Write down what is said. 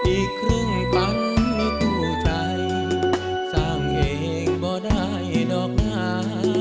อีกครึ่งปังคู่ใจสร้างเองบ่ได้ดอกหนา